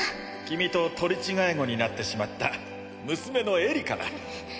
君と取り違え子になってしまった娘のエリカだ。